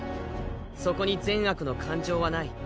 そこに善悪の感情はない。